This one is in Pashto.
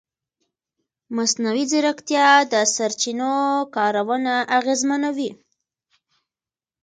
مصنوعي ځیرکتیا د سرچینو کارونه اغېزمنوي.